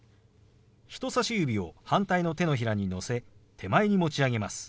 人さし指を反対の手のひらにのせ手前に持ち上げます。